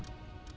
và đối tượng